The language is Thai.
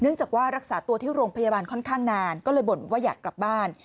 จากว่ารักษาตัวที่โรงพยาบาลค่อนข้างนานก็เลยบ่นว่าอยากกลับบ้าน